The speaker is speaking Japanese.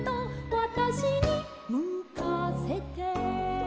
「わたしにむかせて」